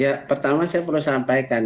ya pertama saya perlu sampaikan